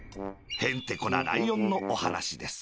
へんてこなライオンのおはなしです